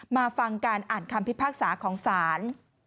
มาฟังการอ่านคำพิพากษาของศาล